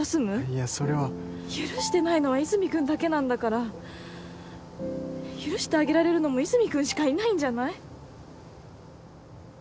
いやそれは許してないのは和泉君だけなんだから許してあげられるのも和泉君しかいないんじゃない？